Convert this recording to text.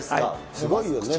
すごいよね。